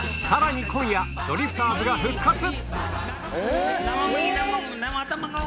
さらに今夜、ドリフターズが復活。